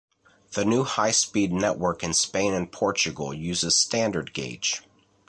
The new high-speed network in Spain and Portugal uses standard gauge.